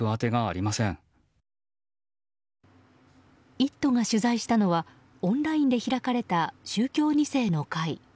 「イット！」が取材したのはオンラインで開かれた宗教２世の会。